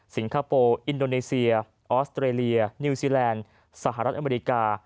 คโปร์อินโดนีเซียออสเตรเลียนิวซีแลนด์สหรัฐอเมริกา